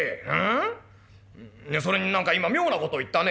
それに何か今妙な事を言ったね。